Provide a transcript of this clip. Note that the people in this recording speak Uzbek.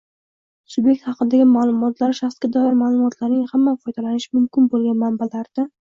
Subyekt haqidagi ma’lumotlar shaxsga doir ma’lumotlarning hamma foydalanishi mumkin bo‘lgan manbalaridan